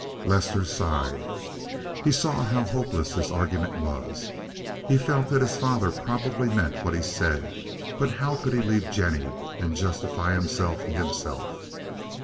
Lester sighed. He saw how hopeless this argument was. He felt that his father probably meant what he said, but how could he leave Jennie, and justify himself to himself?